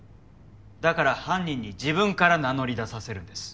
だから犯人に自分から名乗り出させるんです。